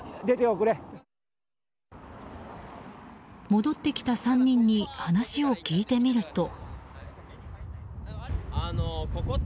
戻ってきた３人に話を聞いてみると。